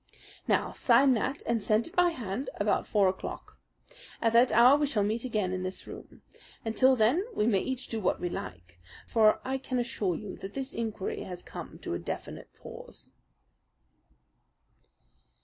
"Now sign that, and send it by hand about four o'clock. At that hour we shall meet again in this room. Until then we may each do what we like; for I can assure you that this inquiry has come to a definite pause."